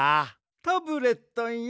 タブレットンよ。